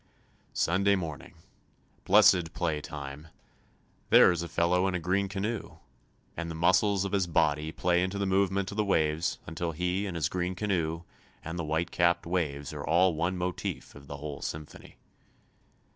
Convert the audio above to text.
Sunday morning, blessed play time, there is a fellow in a green canoe, and the muscles of his body play into the movement of the waves until he and his green canoe and the white capped waves are all one motif of the whole symphony.